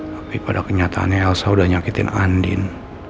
tapi pada kenyataannya elsa sudah nyakitin andin